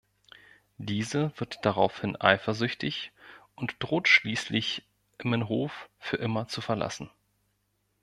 Diese wird daraufhin eifersüchtig und droht schließlich, Immenhof für immer zu verlassen.